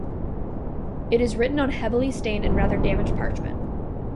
It is written on heavily stained and rather damaged parchment.